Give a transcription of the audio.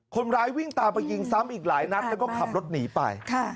คนร้ายวิ่งตามไปยิงซ้ำอีกหลายนัดแล้วก็ขับรถหนีไป